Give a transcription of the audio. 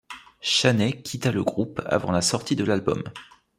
Chanet quitta le groupe avant la sortie de l'album.